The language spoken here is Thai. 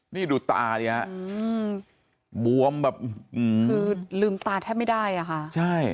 นี่ดูตาเนี่ยบวมแบบคือลืมตาแทบไม่ได้อ่ะค่ะใช่